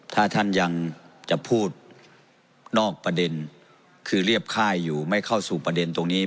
ถ้าท่านยังจะพูดนอกประเด็นคือเรียบค่ายอยู่ไม่เข้าสู่ประเด็นตรงนี้